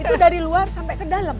itu dari luar sampai ke dalam